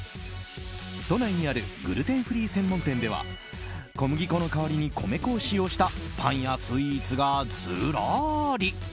都内にあるグルテンフリー専門店では小麦粉の代わりに米粉を使用したパンやスイーツがずらり。